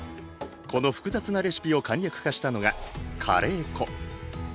この複雑なレシピを簡略化したのがカレー粉。